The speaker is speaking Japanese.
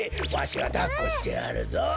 わしがだっこしてやるぞ！